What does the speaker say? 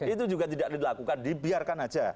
itu juga tidak dilakukan dibiarkan aja